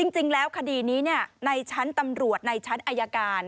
จริงแล้วคดีนี้ในชั้นตำรวจในชั้นอายการ